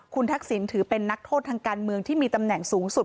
คุณทักษิณถือเป็นนักโทษทางการเมืองที่มีตำแหน่งสูงสุด